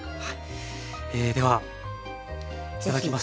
ではいただきます。